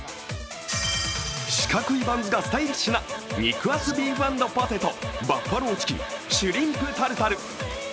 四角いバンズがスタイリッシュな肉厚ビーフ＆ポテト、バッファローチキン、シュリンプタルタル。